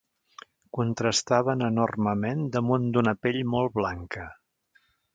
Contrastaven enormement damunt d’una pell molt blanca.